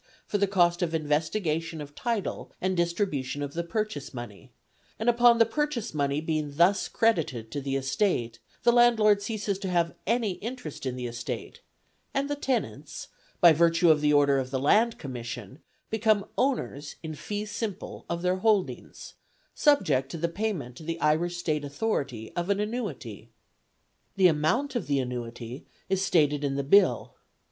for the cost of investigation of title and distribution of the purchase money, and upon the purchase money being thus credited to the estate, the landlord ceases to have any interest in the estate, and the tenants, by virtue of the order of the Land Commission, become owners in fee simple of their holdings, subject to the payment to the Irish State Authority of an annuity. The amount of the annuity is stated in the Bill.